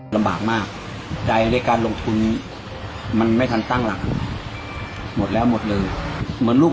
ลำบากมากใจในการลงทุนมันไม่ทันตั้งหลักหมดแล้วหมดเลยเหมือนลูก